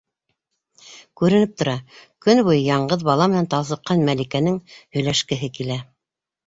Күренеп тора: көнө буйы яңғыҙ, бала менән талсыҡҡан Мәликәнең һөйләшкеһе килә.